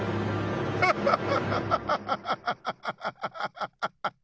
ハハハハハ！